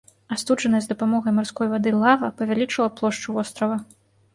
Астуджаная з дапамогай марской вады лава павялічыла плошчу вострава.